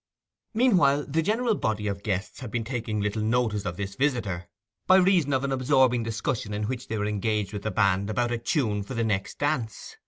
Meanwhile the general body of guests had been taking little notice of this visitor by reason of an absorbing discussion in which they were engaged with the band about a tune for the next dance.